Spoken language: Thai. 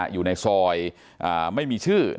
อยู่ในซอยไม่มีชื่อ